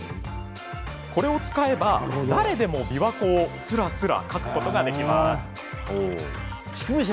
これを使えば誰でも、琵琶湖をすらすら描くことができます。